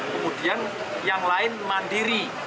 kemudian yang lain mandiri